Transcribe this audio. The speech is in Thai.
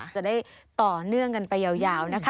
จะได้ต่อเนื่องกันไปยาวนะคะ